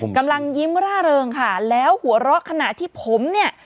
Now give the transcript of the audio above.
กำลังยิ้มร่าเริงค่ะแล้วหัวเราะขณะที่ผมเนี่ย